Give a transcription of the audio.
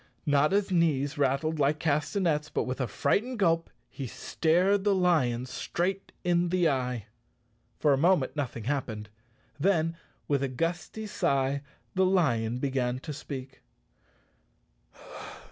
Notta's knees rattled like castanets, but with a frightened gulp he stared the lion straight in the eye. For a moment nothing happened, then with a gusty sigh the lion began to speak.